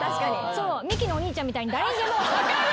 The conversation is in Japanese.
ミキのお兄ちゃんみたいに誰にでも。分かる！